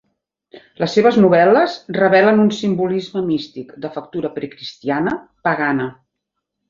Les seves novel·les revelen un simbolisme místic, de factura precristiana, pagana.